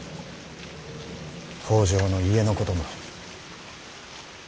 北条の家のことも。